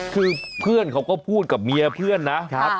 คือเพื่อนเขาก็พูดกับเมียเพื่อนนะครับ